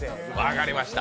分かりました。